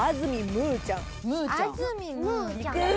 むぅちゃん。